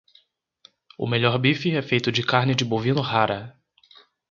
O melhor bife é feito de carne de bovino rara.